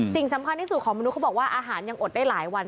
สิ่งสำคัญที่สุดของมนุษย์เขาบอกว่าอาหารยังอดได้หลายวัน